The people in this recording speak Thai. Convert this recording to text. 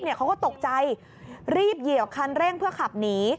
เขาก็ตกใจรีบเหยียวคันเร่งเพื่อขับหนี